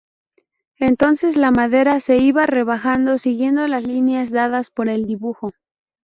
Entonces la madera se iba rebajando, siguiendo las líneas dadas por el dibujo.